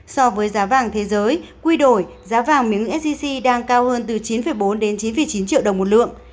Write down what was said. so với giá vàng thế giới quy đổi giá vàng miếng sgc đang cao hơn từ chín bốn đến chín chín triệu đồng một lượng